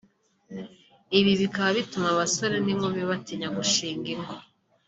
ibi bikaba bituma abasore n’inkumi batinya gushinga ingo